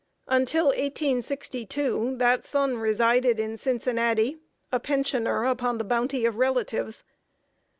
Until 1862, that son resided in Cincinnati, a pensioner upon the bounty of relatives.